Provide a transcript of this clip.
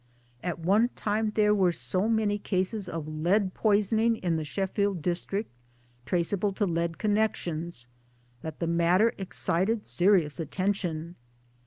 At one time there were so many cases of lead poisoning] in the Sheffield district, traceable to lead connections, that the matter excited serious attention.